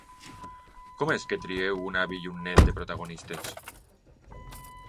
Com és que trieu un avi i un nét de protagonistes?